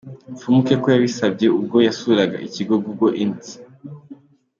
Mfumukeko yabisabye ubwo yasuraga ikigo Google Inc.